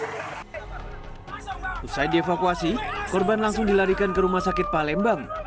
setelah dievakuasi korban langsung dilarikan ke rumah sakit palembang